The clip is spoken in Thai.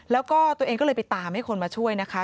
แล้วก็ตัวเองก็เลยไปตามให้คนมาช่วยนะคะ